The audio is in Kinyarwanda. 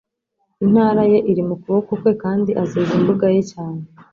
«Intara ye iri mu kuboko kwe, kandi azeza imbuga ye cyane,